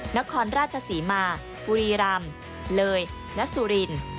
นครราชศรีมาบุรีรำเลยและสุรินทร์